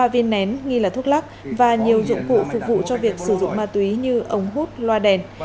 ba viên nén nghi là thuốc lắc và nhiều dụng cụ phục vụ cho việc sử dụng ma túy như ống hút loa đèn